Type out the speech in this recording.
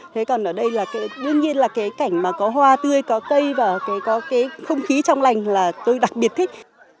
thế còn ở đây đương nhiên là cảnh có hoa tươi có cây và không khí trong lành là tôi đặc biệt thích